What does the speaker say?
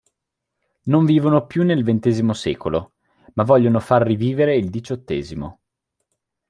Non vivono più nel ventesimo secolo ma vogliono far rivivere il diciottesimo".